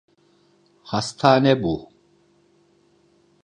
Hastane bu.